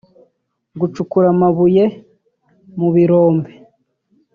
gucukura amabuye mu birombe